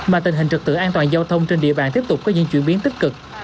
mà tình hình trực tự an toàn giao thông trên địa bàn tiếp tục có những chuyển biến tích cực